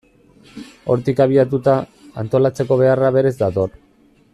Hortik abiatuta, antolatzeko beharra berez dator.